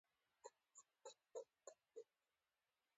خپل ځان ته د حمایت او ملاتړ نه ډکه کتنه کوئ.